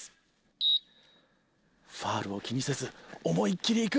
ファウルを気にせず思いっきりいく！